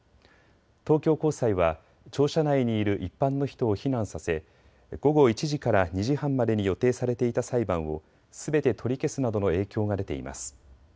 東京高裁は庁舎内にいる一般の人を避難させ午後１時から２時半までに予定されていた裁判をすべて取り消すなどの影響が出ています。